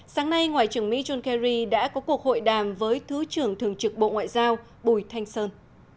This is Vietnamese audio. sáng nay ngoại trưởng mỹ john kerry đã có cuộc hội đàm với thứ trưởng thường trực bộ ngoại giao bùi thanh sơn